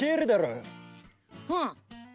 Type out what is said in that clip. うん。